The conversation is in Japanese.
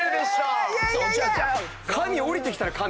神降りてきたよ神！